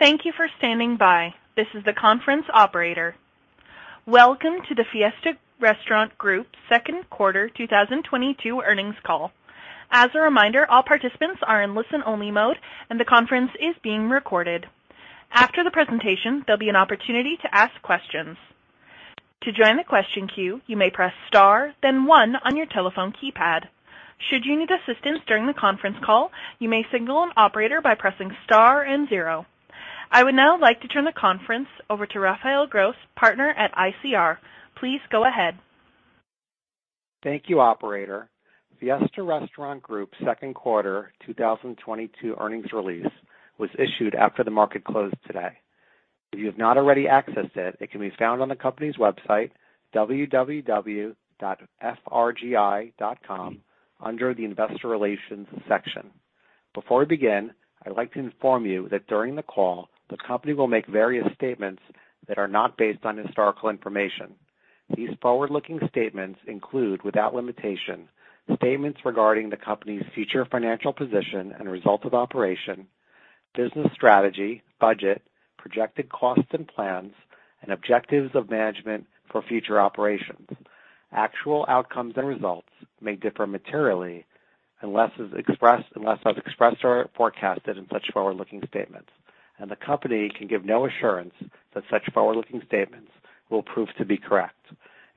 Thank you for standing by. This is the conference operator. Welcome to the Fiesta Restaurant Group Q2 2022 Earnings Call. As a reminder, all participants are in listen-only mode, and the conference is being recorded. After the presentation, there'll be an opportunity to ask questions. To join the question queue, you may press star then one on your telephone keypad. Should you need assistance during the conference call, you may signal an operator by pressing star and zero. I would now like to turn the conference over to Rafael Gross, partner at ICR. Please go ahead. Thank you, operator. Fiesta Restaurant Group Q2 2022 earnings release was issued after the market closed today. If you have not already accessed it can be found on the company's website, www.frgi.com, under the Investor Relations section. Before we begin, I'd like to inform you that during the call, the company will make various statements that are not based on historical information. These forward-looking statements include, without limitation, statements regarding the company's future financial position and results of operations, business strategy, budget, projected costs and plans, and objectives of management for future operations. Actual outcomes and results may differ materially unless as expressed or forecasted in such forward-looking statements. The company can give no assurance that such forward-looking statements will prove to be correct.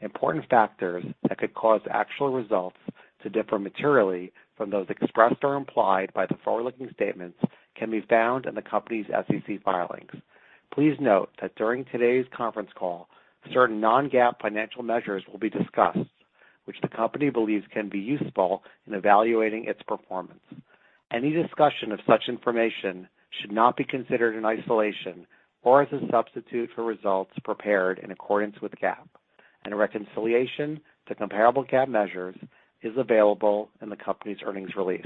Important factors that could cause actual results to differ materially from those expressed or implied by the forward-looking statements can be found in the company's SEC filings. Please note that during today's conference call, certain non-GAAP financial measures will be discussed, which the company believes can be useful in evaluating its performance. Any discussion of such information should not be considered in isolation or as a substitute for results prepared in accordance with GAAP, and a reconciliation to comparable GAAP measures is available in the company's earnings release.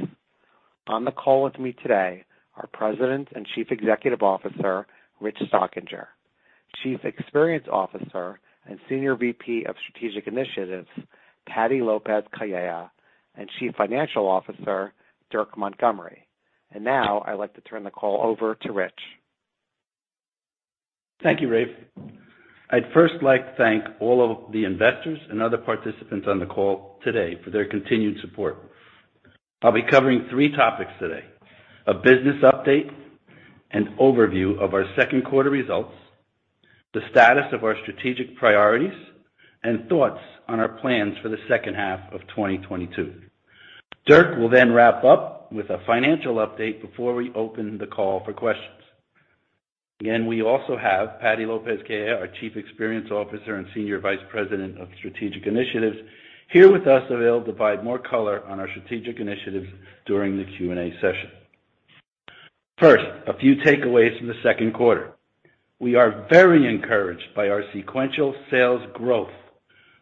On the call with me today are President and Chief Executive Officer Rich Stockinger, Chief Experience Officer and Senior Vice President of Strategic Initiatives Patty Lopez-Calleja, and Chief Financial Officer Dirk Montgomery. Now I'd like to turn the call over to Rich. Thank you, Rafael. I'd first like to thank all of the investors and other participants on the call today for their continued support. I'll be covering three topics today. A business update and overview of our Q2 results, the status of our strategic priorities, and thoughts on our plans for the H2 2022. Dirk will then wrap up with a financial update before we open the call for questions. Again, we also have Patty Lopez-Calleja, our Chief Experience Officer and Senior Vice President of Strategic Initiatives, here with us who will provide more color on our strategic initiatives during the Q&A session. First, a few takeaways from the Q2. We are very encouraged by our sequential sales growth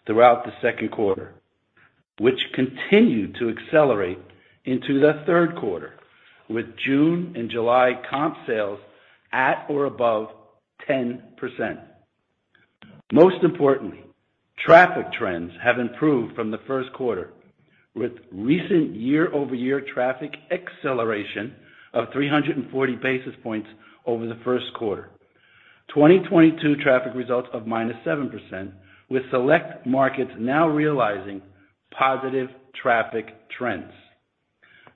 throughout the Q2, which continued to accelerate into the Q3, with June and July comp sales at or above 10%. Most importantly, traffic trends have improved from the Q1, with recent year-over-year traffic acceleration of 340 basis points over the Q1. 2022 traffic results of -7%, with select markets now realizing positive traffic trends.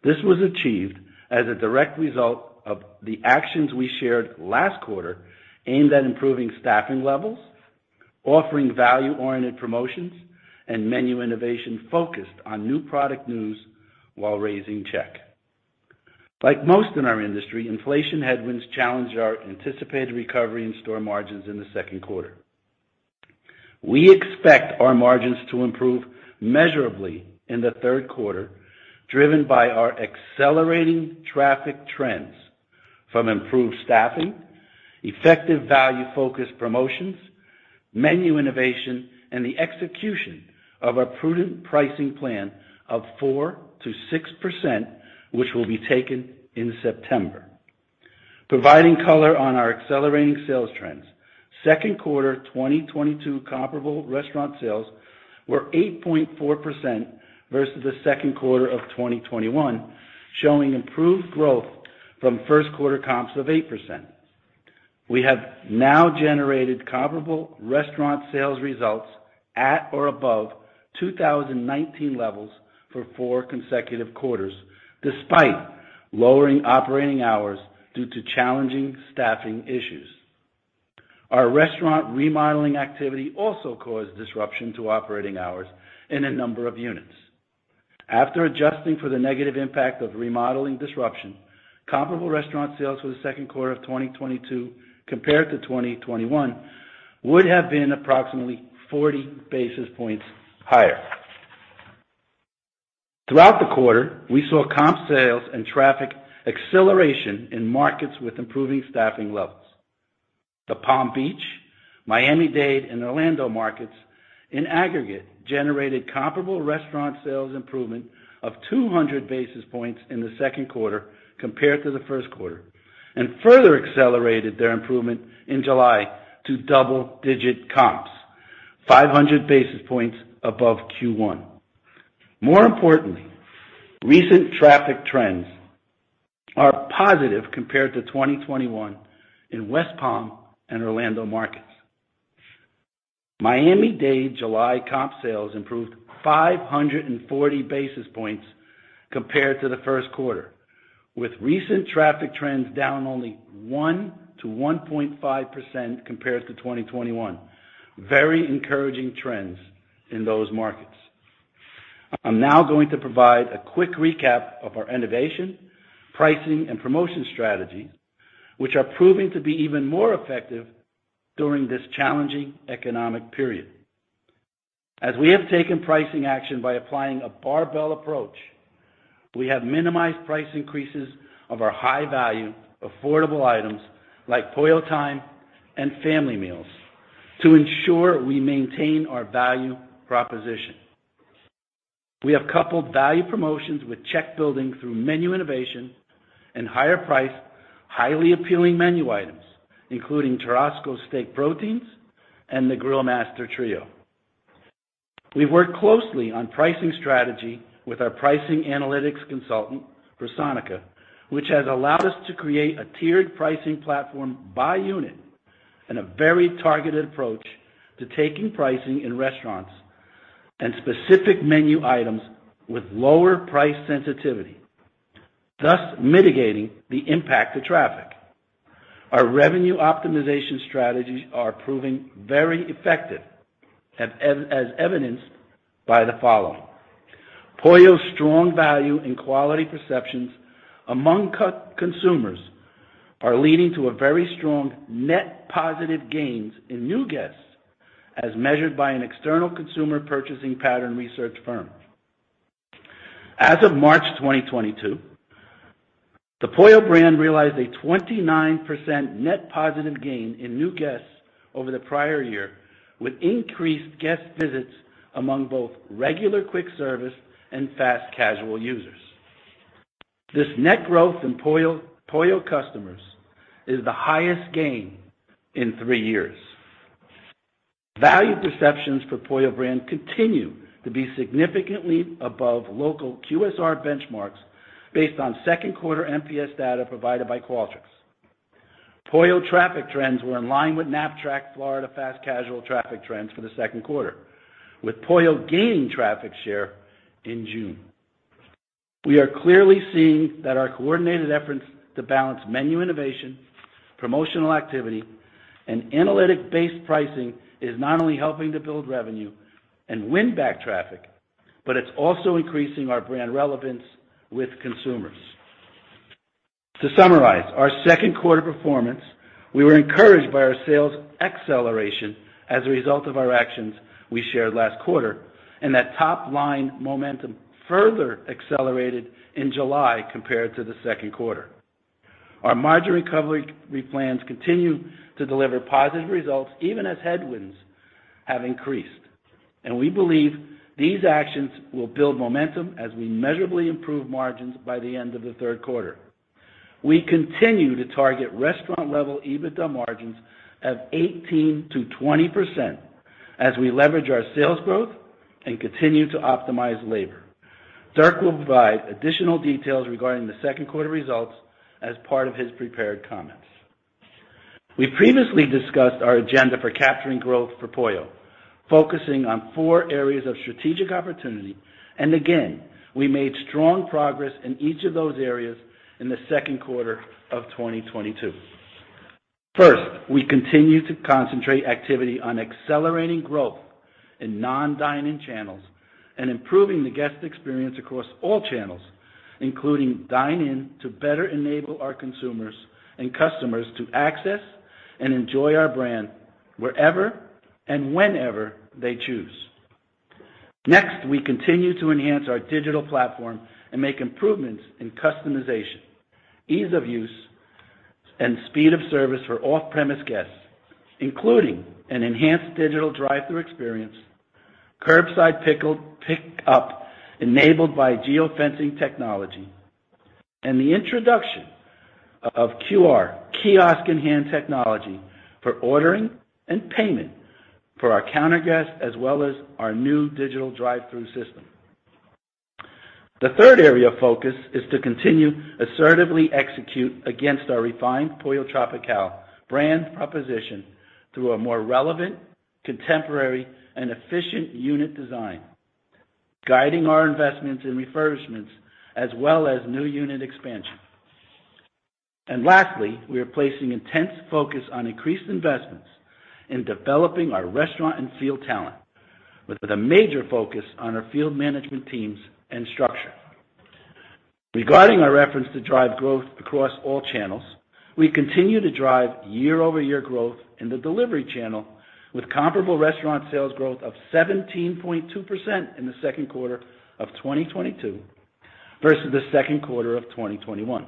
This was achieved as a direct result of the actions we shared last quarter aimed at improving staffing levels, offering value-oriented promotions, and menu innovation focused on new product news while raising check. Like most in our industry, inflation headwinds challenged our anticipated recovery and store margins in the Q2. We expect our margins to improve measurably in the Q3, driven by our accelerating traffic trends from improved staffing, effective value-focused promotions, menu innovation, and the execution of a prudent pricing plan of 4%-6%, which will be taken in September. Providing color on our accelerating sales trends. Q2 2022 comparable restaurant sales were 8.4% versus the Q2 of 2021, showing improved growth from Q1 comps of 8%. We have now generated comparable restaurant sales results at or above 2019 levels for four consecutive quarters, despite lowering operating hours due to challenging staffing issues. Our restaurant remodeling activity also caused disruption to operating hours in a number of units. After adjusting for the negative impact of remodeling disruption, comparable restaurant sales for the Q2 2022 compared to 2021 would have been approximately 40 basis points higher. Throughout the quarter, we saw comp sales and traffic acceleration in markets with improving staffing levels. The Palm Beach, Miami-Dade, and Orlando markets in aggregate generated comparable restaurant sales improvement of 200 basis points in the Q2 compared to the Q1, and further accelerated their improvement in July to double-digit comps, 500 basis points above Q1. More importantly, recent traffic trends are positive compared to 2021 in West Palm and Orlando markets. Miami-Dade July comp sales improved 540 basis points compared to the Q1, with recent traffic trends down only 1%-1.5% compared to 2021. Very encouraging trends in those markets. I'm now going to provide a quick recap of our innovation, pricing, and promotion strategies, which are proving to be even more effective during this challenging economic period. As we have taken pricing action by applying a barbell approach, we have minimized price increases of our high-value affordable items like Pollo Time and family meals to ensure we maintain our value proposition. We have coupled value promotions with check-building through menu innovation and higher priced, highly appealing menu items, including Churrasco steak proteins and the Grillmaster Trio. We've worked closely on pricing strategy with our pricing analytics consultant, Personica, which has allowed us to create a tiered pricing platform by unit and a very targeted approach to taking pricing in restaurants and specific menu items with lower price sensitivity, thus mitigating the impact to traffic. Our revenue optimization strategies are proving very effective, as evidenced by the following. Pollo's strong value and quality perceptions among consumers are leading to a very strong net positive gains in new guests as measured by an external consumer purchasing pattern research firm. As of March 2022, the Pollo brand realized a 29% net positive gain in new guests over the prior year, with increased guest visits among both regular quick service and fast casual users. This net growth in Pollo customers is the highest gain in three years. Value perceptions for Pollo brand continue to be significantly above local QSR benchmarks based on Q2 NPS data provided by Qualtrics. Pollo traffic trends were in line with Knapp-Track Florida fast casual traffic trends for the Q2, with Pollo gaining traffic share in June. We are clearly seeing that our coordinated efforts to balance menu innovation, promotional activity, and analytic-based pricing is not only helping to build revenue and win back traffic, but it's also increasing our brand relevance with consumers. To summarize our Q2 performance, we were encouraged by our sales acceleration as a result of our actions we shared last quarter, and that top-line momentum further accelerated in July compared to the Q2. Our margin recovery plans continue to deliver positive results even as headwinds have increased, and we believe these actions will build momentum as we measurably improve margins by the end of the Q3. We continue to target restaurant-level EBITDA margins of 18%-20% as we leverage our sales growth and continue to optimize labor. Dirk will provide additional details regarding the Q2 results as part of his prepared comments. We previously discussed our agenda for capturing growth for Pollo, focusing on four areas of strategic opportunity. Again, we made strong progress in each of those areas in the Q2 2022. First, we continue to concentrate activity on accelerating growth in non-dine-in channels and improving the guest experience across all channels, including dine-in, to better enable our consumers and customers to access and enjoy our brand wherever and whenever they choose. Next, we continue to enhance our digital platform and make improvements in customization, ease of use, and speed of service for off-premise guests, including an enhanced digital drive-thru experience, curbside pickup enabled by geofencing technology, and the introduction of QR kiosk in-hand technology for ordering and payment for our counter guests, as well as our new digital drive-thru system. The third area of focus is to continue assertively execute against our refined Pollo Tropical brand proposition through a more relevant, contemporary, and efficient unit design, guiding our investments in refurbishments as well as new unit expansion. Lastly, we are placing intense focus on increased investments in developing our restaurant and field talent with a major focus on our field management teams and structure. Regarding our reference to drive growth across all channels, we continue to drive year-over-year growth in the delivery channel with comparable restaurant sales growth of 17.2% in the Q2 2022 versus the Q2 2021.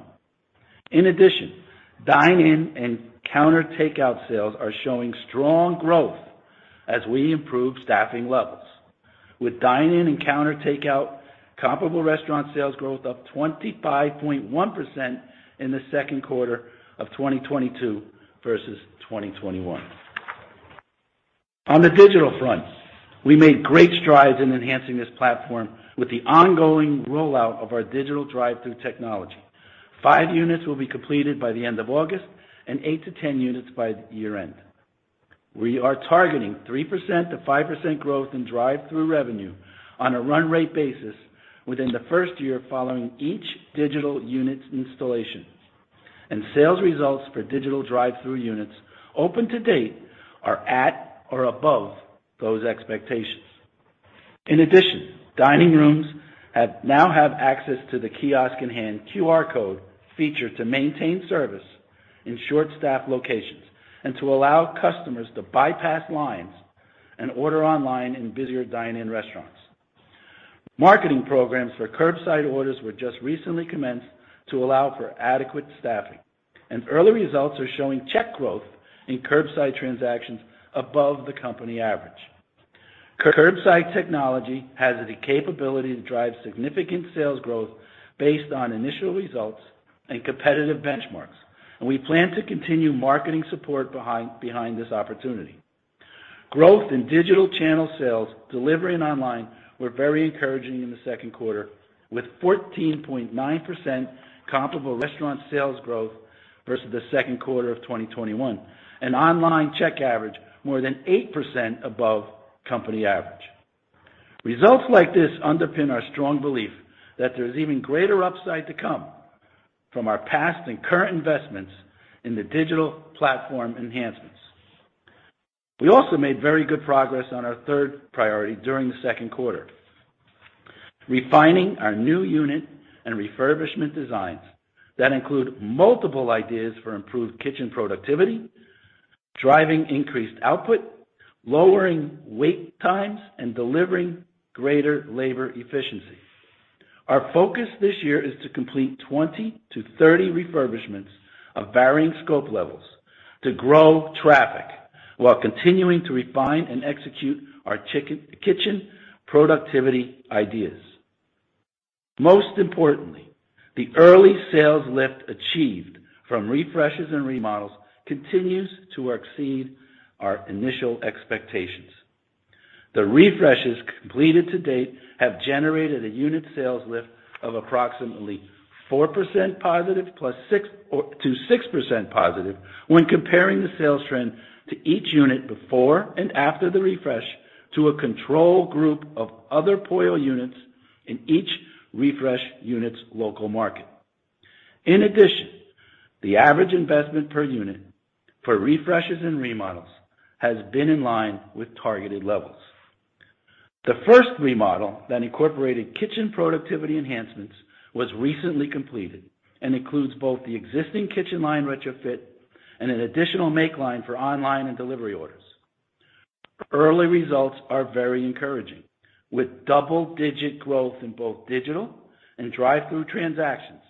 In addition, dine-in and counter takeout sales are showing strong growth as we improve staffing levels, with dine-in and counter takeout comparable restaurant sales growth up 25.1% in the Q2 2022 versus 2021. On the digital front, we made great strides in enhancing this platform with the ongoing rollout of our digital drive-thru technology. Five units will be completed by the end of August and eight to 10 units by year-end. We are targeting 3%-5% growth in drive-thru revenue on a run-rate basis within the first year following each digital unit's installation. Sales results for digital drive-thru units open to date are at or above those expectations. In addition, dining rooms now have access to the Kiosk-in-Hand QR code feature to maintain service in short-staffed locations and to allow customers to bypass lines and order online in busier dine-in restaurants. Marketing programs for curbside orders were just recently commenced to allow for adequate staffing, and early results are showing check growth in curbside transactions above the company average. Curbside technology has the capability to drive significant sales growth based on initial results and competitive benchmarks, and we plan to continue marketing support behind this opportunity. Growth in digital channel sales, delivery, and online were very encouraging in the Q2, with 14.9% comparable restaurant sales growth versus the Q2 of 2021, an online check average more than 8% above company average. Results like this underpin our strong belief that there is even greater upside to come from our past and current investments in the digital platform enhancements. We also made very good progress on our third priority during the Q2, refining our new unit and refurbishment designs that include multiple ideas for improved kitchen productivity, driving increased output, lowering wait times, and delivering greater labor efficiency. Our focus this year is to complete 20 to 30 refurbishments of varying scope levels to grow traffic while continuing to refine and execute our kitchen productivity ideas. Most importantly, the early sales lift achieved from refreshes and remodels continues to exceed our initial expectations. The refreshes completed to date have generated a unit sales lift of approximately 4% positive +6% or to 6% positive when comparing the sales trend to each unit before and after the refresh to a control group of other Pollo units in each refresh unit's local market. In addition, the average investment per unit for refreshes and remodels has been in line with targeted levels. The first remodel that incorporated kitchen productivity enhancements was recently completed and includes both the existing kitchen line retrofit and an additional make line for online and delivery orders. Early results are very encouraging, with double-digit growth in both digital and drive-thru transactions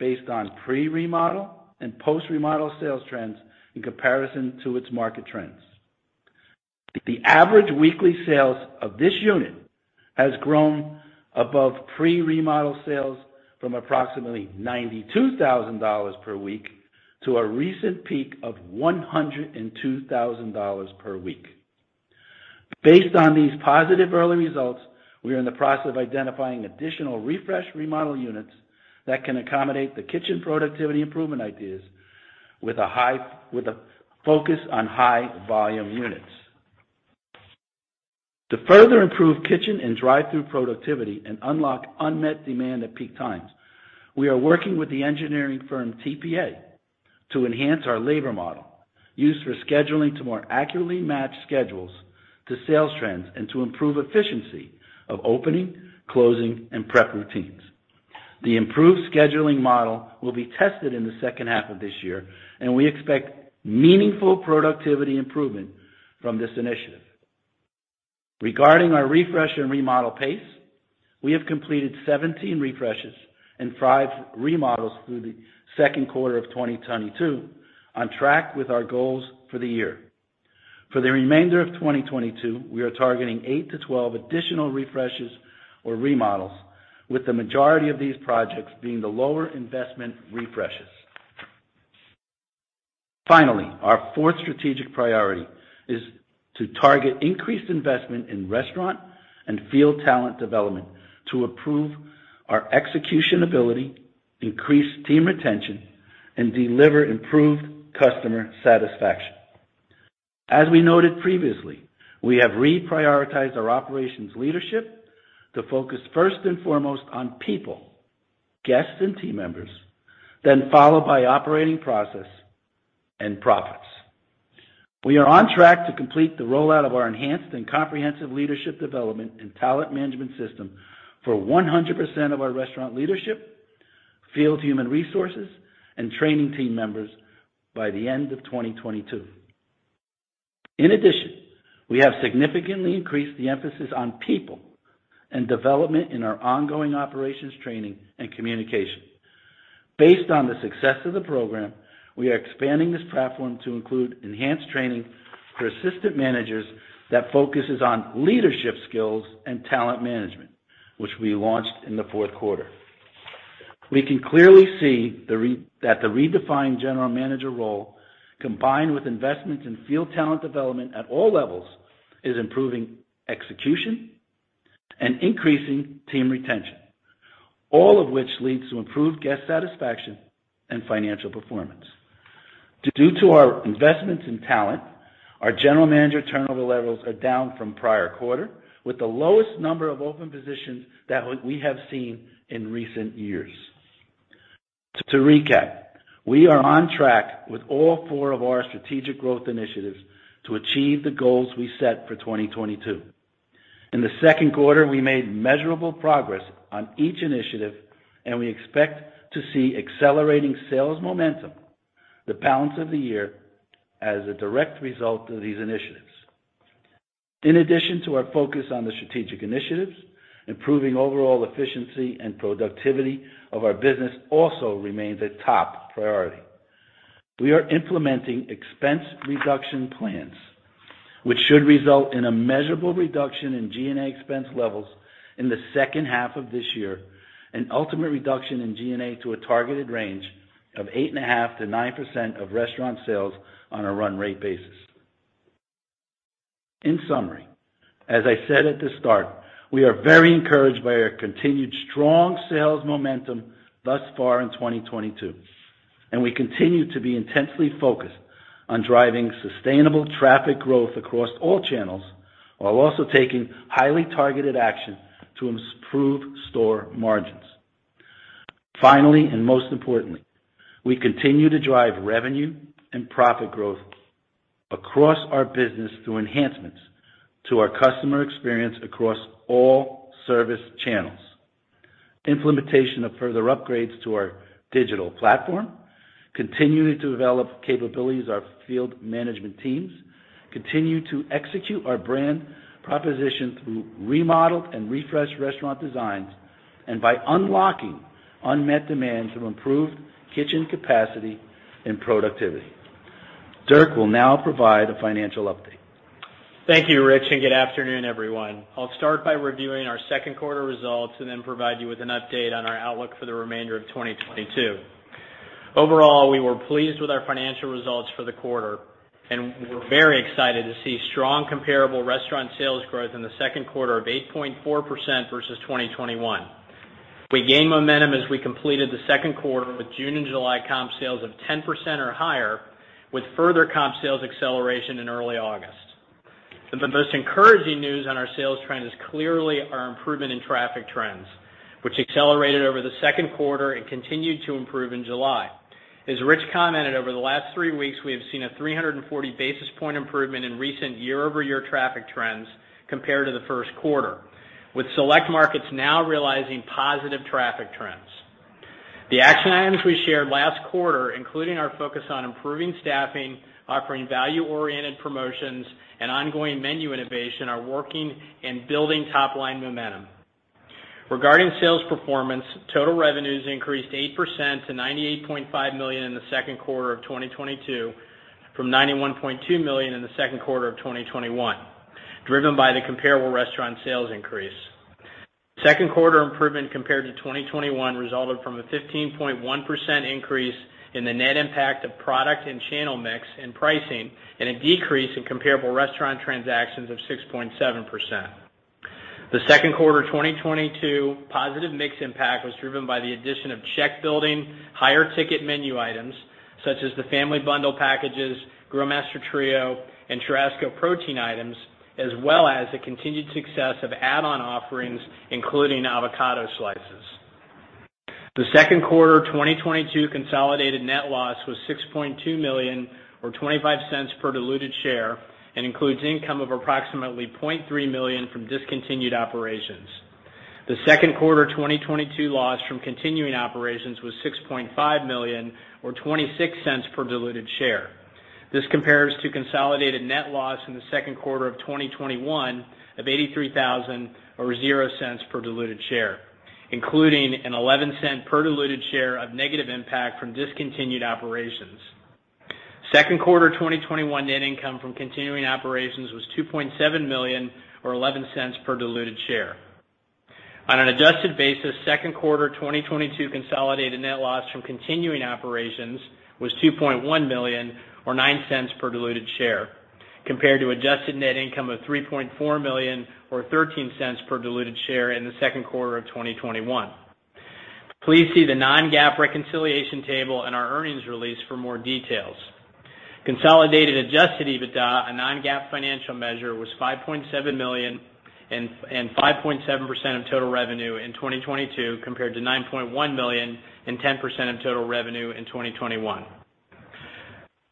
based on pre-remodel and post-remodel sales trends in comparison to its market trends. The average weekly sales of this unit has grown above pre-remodel sales from approximately $92,000 per week to a recent peak of $102,000 per week. Based on these positive early results, we are in the process of identifying additional refresh remodel units that can accommodate the kitchen productivity improvement ideas with a focus on high-volume units. To further improve kitchen and drive-thru productivity and unlock unmet demand at peak times, we are working with the engineering firm TPA to enhance our labor model used for scheduling to more accurately match schedules to sales trends and to improve efficiency of opening, closing, and prep routines. The improved scheduling model will be tested in the H2 of this year, and we expect meaningful productivity improvement from this initiative. Regarding our refresh and remodel pace, we have completed 17 refreshes and five remodels through the Q2 2022, on track with our goals for the year. For the remainder of 2022, we are targeting eight to 12 additional refreshes or remodels, with the majority of these projects being the lower investment refreshes. Finally, our fourth strategic priority is to target increased investment in restaurant and field talent development to improve our execution ability, increase team retention, and deliver improved customer satisfaction. As we noted previously, we have reprioritized our operations leadership to focus first and foremost on people, guests, and team members, then followed by operating process and profits. We are on track to complete the rollout of our enhanced and comprehensive leadership development and talent management system for 100% of our restaurant leadership, field human resources, and training team members by the end of 2022. In addition, we have significantly increased the emphasis on people and development in our ongoing operations, training, and communication. Based on the success of the program, we are expanding this platform to include enhanced training for assistant managers that focuses on leadership skills and talent management, which we launched in the Q4. We can clearly see that the redefined general manager role, combined with investments in field talent development at all levels, is improving execution and increasing team retention, all of which leads to improved guest satisfaction and financial performance. Due to our investments in talent, our general manager turnover levels are down from prior quarter, with the lowest number of open positions that we have seen in recent years. To recap, we are on track with all four of our strategic growth initiatives to achieve the goals we set for 2022. In the Q2, we made measurable progress on each initiative, and we expect to see accelerating sales momentum the balance of the year as a direct result of these initiatives. In addition to our focus on the strategic initiatives, improving overall efficiency and productivity of our business also remains a top priority. We are implementing expense reduction plans which should result in a measurable reduction in G&A expense levels in the H2 of this year, and ultimate reduction in G&A to a targeted range of 8.5%-9% of restaurant sales on a run rate basis. In summary, as I said at the start, we are very encouraged by our continued strong sales momentum thus far in 2022, and we continue to be intensely focused on driving sustainable traffic growth across all channels, while also taking highly targeted action to improve store margins. Finally, and most importantly, we continue to drive revenue and profit growth across our business through enhancements to our customer experience across all service channels. Implementation of further upgrades to our digital platform, continuing to develop capabilities of our field management teams, continue to execute our brand proposition through remodeled and refreshed restaurant designs, and by unlocking unmet demand to improve kitchen capacity and productivity. Dirk will now provide a financial update. Thank you, Rich, and good afternoon, everyone. I'll start by reviewing our Q2 results and then provide you with an update on our outlook for the remainder of 2022. Overall, we were pleased with our financial results for the quarter, and we're very excited to see strong comparable restaurant sales growth in the Q2 of 8.4% versus 2021. We gained momentum as we completed the Q2 with June and July compared sales of 10% or higher, with further compared sales acceleration in early August. The most encouraging news on our sales trend is clearly our improvement in traffic trends, which accelerated over the Q2 and continued to improve in July. As Rich commented, over the last three weeks, we have seen a 340 basis point improvement in recent year-over-year traffic trends compared to the Q1, with select markets now realizing positive traffic trends. The action items we shared last quarter, including our focus on improving staffing, offering value-oriented promotions, and ongoing menu innovation, are working and building top-line momentum. Regarding sales performance, total revenues increased 8% to $98.5 million in the Q2 2022, from $91.2 million in the Q2 2021, driven by the comparable restaurant sales increase. Q2 improvement compared to 2021 resulted from a 15.1% increase in the net impact of product and channel mix and pricing, and a decrease in comparable restaurant transactions of 6.7%. The Q2 2022 positive mix impact was driven by the addition of check-building, higher ticket menu items, such as the Family Bundle packages, Grillmaster Trio, and Churrasco protein items, as well as the continued success of add-on offerings, including avocado slices. The Q2 2022 consolidated net loss was $6.2 million or $(0.25) per diluted share, and includes income of approximately $0.3 million from discontinued operations. The Q2 2022 loss from continuing operations was $6.5 million or $(0.26) per diluted share. This compares to consolidated net loss in the Q2 2021 of $83,000 or $0.00 per diluted share, including an $0.11 per diluted share of negative impact from discontinued operations. Q2 2021 net income from continuing operations was $2.7 million or $0.11 per diluted share. On an adjusted basis, Q2 2022 consolidated net loss from continuing operations was $2.1 million or $0.09 per diluted share, compared to adjusted net income of $3.4 million or $0.13 per diluted share in the Q2 2021. Please see the non-GAAP reconciliation table in our earnings release for more details. Consolidated adjusted EBITDA, a non-GAAP financial measure, was $5.7 million and 5.7% of total revenue in 2022 compared to $9.1 million and 10% of total revenue in 2021.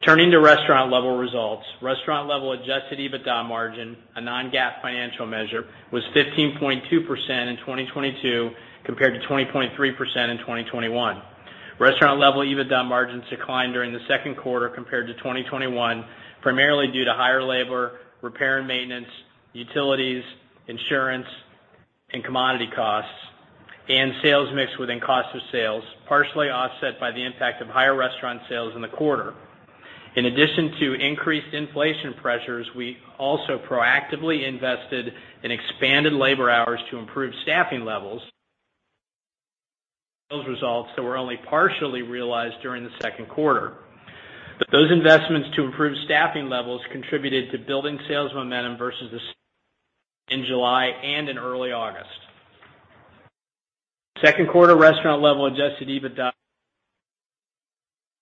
Turning to restaurant level results. Restaurant level adjusted EBITDA margin, a non-GAAP financial measure, was 15.2% in 2022 compared to 20.3% in 2021. Restaurant level EBITDA margins declined during the Q2 compared to 2021, primarily due to higher labor, repair and maintenance, utilities, insurance, and commodity costs, and sales mix within cost of sales, partially offset by the impact of higher restaurant sales in the quarter. In addition to increased inflation pressures, we also proactively invested in expanded labor hours to improve staffing levels. Those results that were only partially realized during the Q2. Those investments to improve staffing levels contributed to building sales momentum versus this in July and in early August. Q2 restaurant level adjusted EBITDA.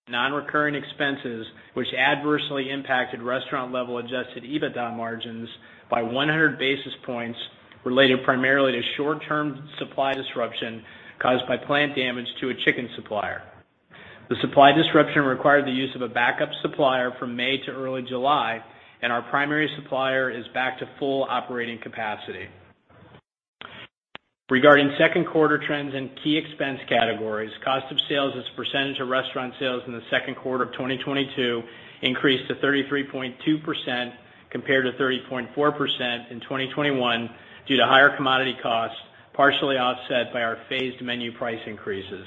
Non-recurring expenses, which adversely impacted restaurant level adjusted EBITDA margins by 100 basis points related primarily to short-term supply disruption caused by plant damage to a chicken supplier. The supply disruption required the use of a backup supplier from May to early July, and our primary supplier is back to full operating capacity. Regarding Q2 trends in key expense categories, cost of sales as a percentage of restaurant sales in the Q2 2022 increased to 33.2% compared to 30.4% in 2021 due to higher commodity costs, partially offset by our phased menu price increases.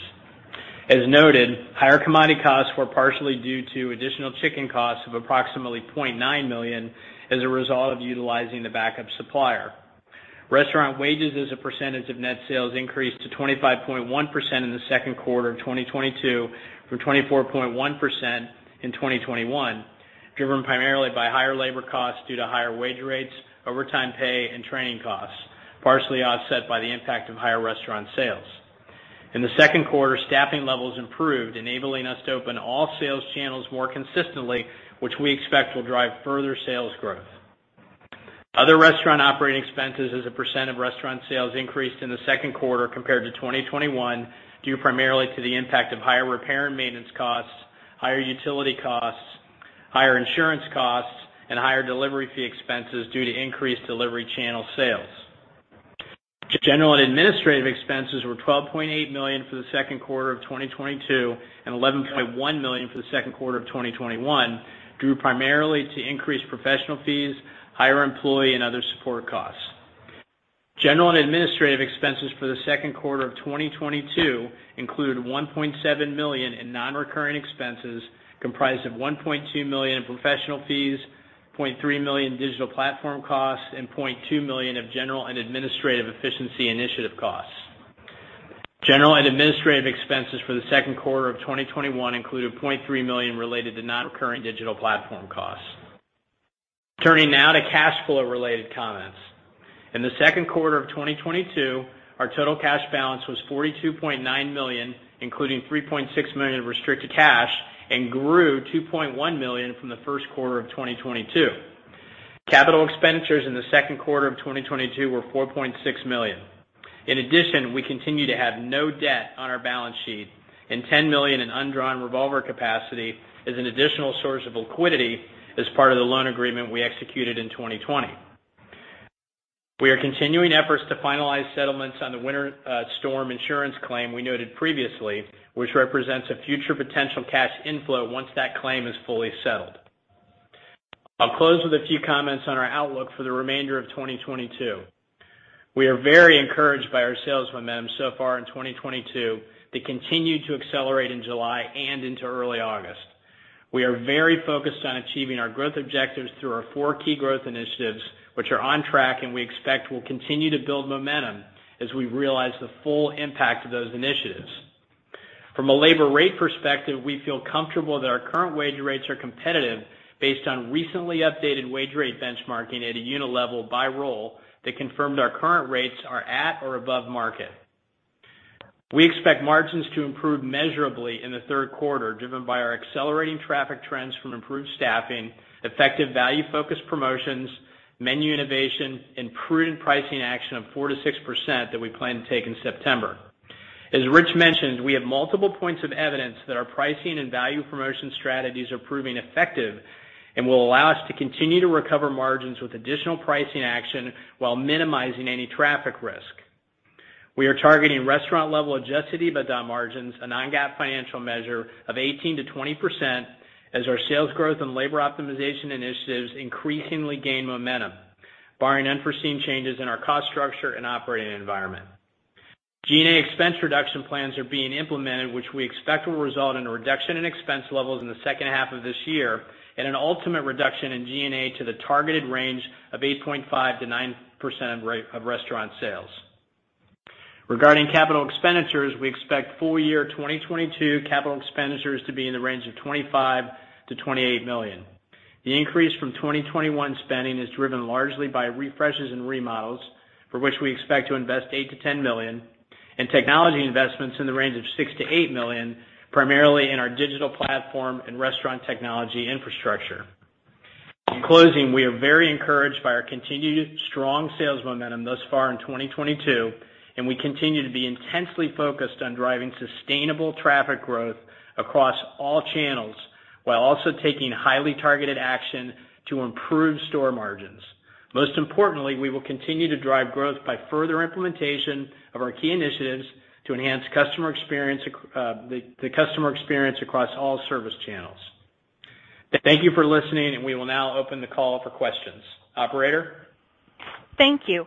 As noted, higher commodity costs were partially due to additional chicken costs of approximately $0.9 million as a result of utilizing the backup supplier. Restaurant wages as a percentage of net sales increased to 25.1% in the Q2 of 2022 from 24.1% in 2021, driven primarily by higher labor costs due to higher wage rates, overtime pay, and training costs, partially offset by the impact of higher restaurant sales. In the Q2, staffing levels improved, enabling us to open all sales channels more consistently, which we expect will drive further sales growth. Other restaurant operating expenses as a percent of restaurant sales increased in the Q2 compared to 2021, due primarily to the impact of higher repair and maintenance costs, higher utility costs, higher insurance costs, and higher delivery fee expenses due to increased delivery channel sales. General and administrative expenses were $12.8 million for the Q2 of 2022, and $11.1 million for the Q2 2021, due primarily to increased professional fees, higher employee and other support costs. General and administrative expenses for the Q2 of 2022 include $1.7 million in non-recurring expenses, comprised of $1.2 million in professional fees, $0.3 million in digital platform costs, and $0.2 million of general and administrative efficiency initiative costs. General and administrative expenses for the Q2 2021 included $0.3 million related to non-recurring digital platform costs. Turning now to cash flow related comments. In the Q2 2022, our total cash balance was $42.9 million, including $3.6 million in restricted cash, and grew $2.1 million from the Q1 2022. Capital expenditures in the Q2 2022 were $4.6 million. In addition, we continue to have no debt on our balance sheet, and $10 million in undrawn revolver capacity as an additional source of liquidity as part of the loan agreement we executed in 2020. We are continuing efforts to finalize settlements on the winter storm insurance claim we noted previously, which represents a future potential cash inflow once that claim is fully settled. I'll close with a few comments on our outlook for the remainder of 2022. We are very encouraged by our sales momentum so far in 2022 that continued to accelerate in July and into early August. We are very focused on achieving our growth objectives through our four key growth initiatives, which are on track and we expect will continue to build momentum as we realize the full impact of those initiatives. From a labor rate perspective, we feel comfortable that our current wage rates are competitive based on recently updated wage rate benchmarking at a unit level by role that confirmed our current rates are at or above market. We expect margins to improve measurably in the Q3, driven by our accelerating traffic trends from improved staffing, effective value focus promotions, menu innovation, and prudent pricing action of 4%-6% that we plan to take in September. As Rich mentioned, we have multiple points of evidence that our pricing and value promotion strategies are proving effective and will allow us to continue to recover margins with additional pricing action while minimizing any traffic risk. We are targeting restaurant level adjusted EBITDA margins, a non-GAAP financial measure of 18%-20% as our sales growth and labor optimization initiatives increasingly gain momentum, barring unforeseen changes in our cost structure and operating environment. G&A expense reduction plans are being implemented, which we expect will result in a reduction in expense levels in the H2 of this year, and an ultimate reduction in G&A to the targeted range of 8.5%-9% of restaurant sales. Regarding capital expenditures, we expect full-year 2022 capital expenditures to be in the range of $25 million-$28 million. The increase from 2021 spending is driven largely by refreshes and remodels, for which we expect to invest $8 million-$10 million, and technology investments in the range of $6 million-$8 million, primarily in our digital platform and restaurant technology infrastructure. In closing, we are very encouraged by our continued strong sales momentum thus far in 2022, and we continue to be intensely focused on driving sustainable traffic growth across all channels while also taking highly targeted action to improve store margins. Most importantly, we will continue to drive growth by further implementation of our key initiatives to enhance the customer experience across all service channels. Thank you for listening, and we will now open the call for questions. Operator? Thank you.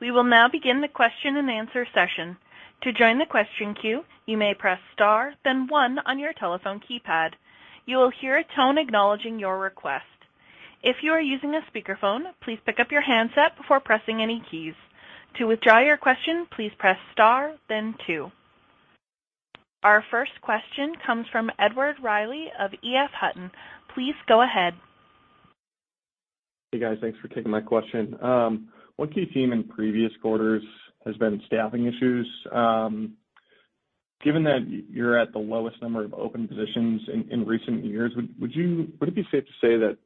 We will now begin the question and answer session. To join the question queue, you may press star then one on your telephone keypad. You will hear a tone acknowledging your request. If you are using a speakerphone, please pick up your handset before pressing any keys. To withdraw your question, please press star then two. Our first question comes from Edward Reilly of EF Hutton. Please go ahead. Hey, guys. Thanks for taking my question. One key theme in previous quarters has been staffing issues. Given that you're at the lowest number of open positions in recent years, would it be safe to say that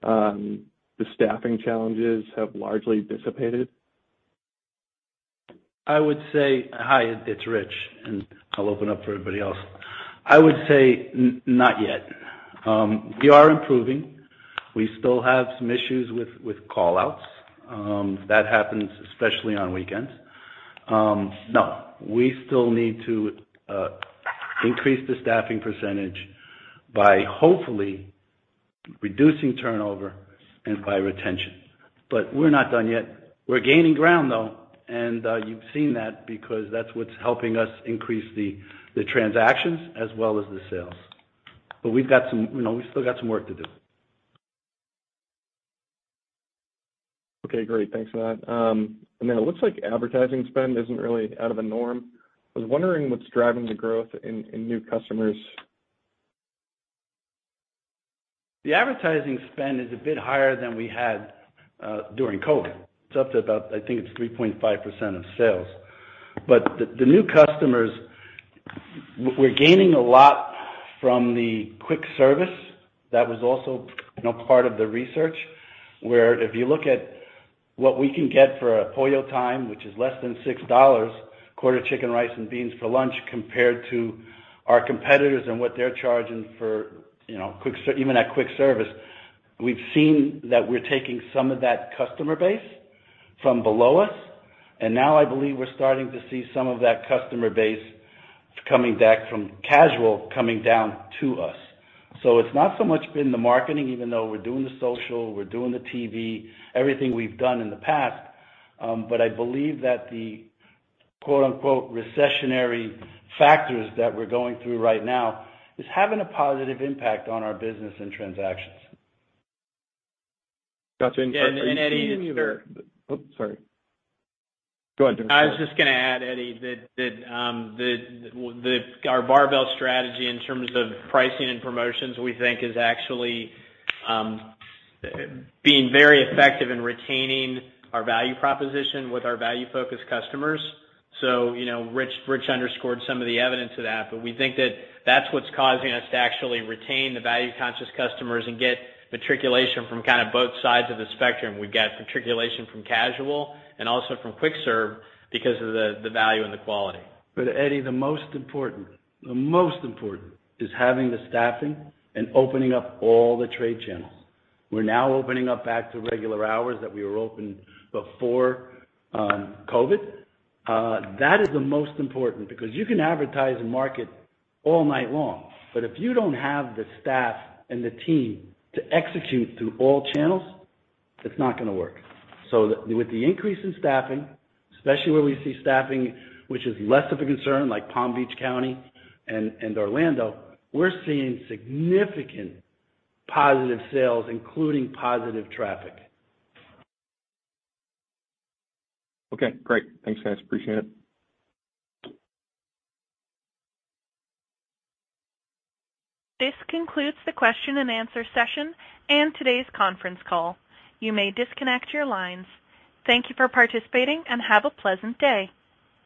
the staffing challenges have largely dissipated? Hi, it's Rich, and I'll open up for everybody else. I would say not yet. We are improving. We still have some issues with call-outs that happens especially on weekends. No, we still need to increase the staffing percentage by hopefully reducing turnover and by retention. We're not done yet. We're gaining ground, though, and you've seen that because that's what's helping us increase the transactions as well as the sales. We've got some, you know, we've still got some work to do. Okay, great. Thanks for that. It looks like advertising spend isn't really out of a norm. I was wondering what's driving the growth in new customers. The advertising spend is a bit higher than we had during COVID-19. It's up to about, I think it's 3.5% of sales. The new customers, we're gaining a lot from the quick service. That was also, you know, part of the research, where if you look at what we can get for a Pollo Time, which is less than $6, quarter chicken, rice and beans for lunch, compared to our competitors and what they're charging for, you know, even at quick service, we've seen that we're taking some of that customer base from below us. Now I believe we're starting to see some of that customer base coming back from casual coming down to us. It's not so much been the marketing even though we're doing the social, we're doing the TV, everything we've done in the past, but I believe that the quote, unquote, "Recessionary factors" that we're going through right now is having a positive impact on our business and transactions. Got you. Are you seeing any of the- Yeah. Edward, it's fair- Oops, sorry. Go ahead, Joe. I was just gonna add, Edward, our barbell strategy in terms of pricing and promotions, we think is actually being very effective in retaining our value proposition with our value-focused customers. You know, Rich underscored some of the evidence of that, but we think that that's what's causing us to actually retain the value-conscious customers and get migration from kind of both sides of the spectrum. We've got migration from casual and also from quick serve because of the value and the quality. Eddie, the most important is having the staffing and opening up all the trade channels. We're now opening up back to regular hours that we were open before, COVID-19. That is the most important because you can advertise and market all night long. If you don't have the staff and the team to execute through all channels, it's not gonna work. With the increase in staffing, especially where we see staffing, which is less of a concern like Palm Beach County and Orlando, we're seeing significant positive sales, including positive traffic. Okay, great. Thanks, guys. Appreciate it. This concludes the question and answer session and today's conference call. You may disconnect your lines. Thank you for participating and have a pleasant day.